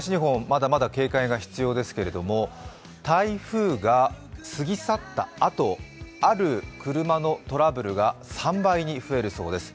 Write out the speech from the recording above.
まだまだ警戒が必要ですけれども、台風が過ぎ去ったあと、ある車のトラブルが３倍に増えるそうです。